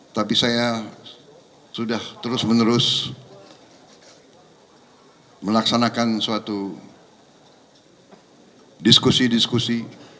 tapi saya sudah terus menerus melaksanakan suatu diskusi diskusi